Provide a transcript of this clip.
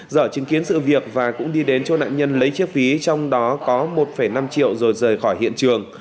dở chứng kiến sự việc và cũng đi đến cho nạn nhân lấy chiếc ví trong đó có một năm triệu rồi rời khỏi hiện trường